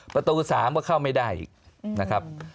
ประตู๓ก็เข้าไม่ได้อีกนะครับ